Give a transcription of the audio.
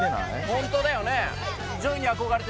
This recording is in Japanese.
ホントだよね？